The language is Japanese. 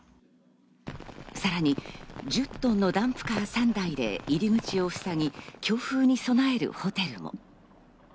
さらに１０トンのダンプカーで入り口をふさぎ、強風に備えるホテルも。